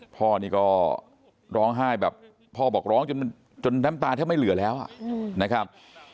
พ่อนี่ก็ร้องไห้แบบพ่อบอกร้องจนน้ำตาแทบไม่เหลือแล้วนะครับ